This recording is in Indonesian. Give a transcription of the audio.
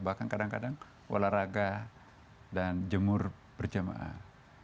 bahkan kadang kadang olahraga dan jemur berjamaah